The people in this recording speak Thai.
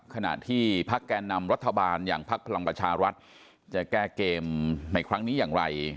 ขณะที่พักแก่นำรัฐบาลอย่างพักพลังประชารัฐจะแก้เกมในครั้งนี้อย่างไร